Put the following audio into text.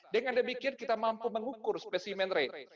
dengan demikian kita mampu mengukur spesimen rate